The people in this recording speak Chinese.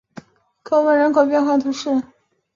科翁人口变化图示